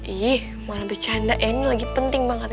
ih malah bercanda ya ini lagi penting banget